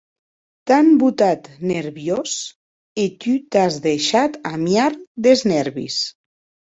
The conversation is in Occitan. T’an botat nerviós e tu t’as deishat amiar des nèrvis.